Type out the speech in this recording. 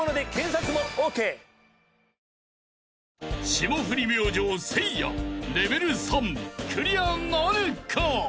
［霜降り明星せいやレベル３クリアなるか！？］